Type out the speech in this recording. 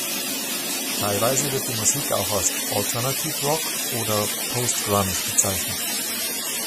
Teilweise wird die Musik auch als Alternative Rock oder Post Grunge beschrieben.